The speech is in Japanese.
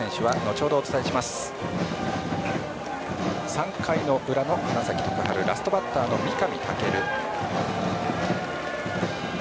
３回の裏の花咲徳栄ラストバッターの三上。